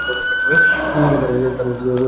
তার বৈরাগ্যের ঘোর ভেঙেছে।